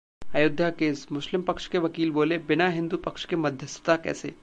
Ayodhya case: मुस्लिम पक्ष के वकील बोले- बिना हिंदू पक्ष के मध्यस्थता कैसे?